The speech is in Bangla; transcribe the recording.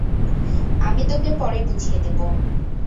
আমি তোকে পড়ে বুঝিয়ে দেব।